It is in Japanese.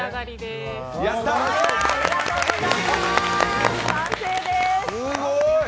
すごい！